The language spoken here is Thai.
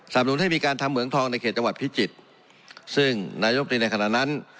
หนุนให้มีการทำเหมืองทองในเขตจังหวัดพิจิตรซึ่งนายมตรีในขณะนั้น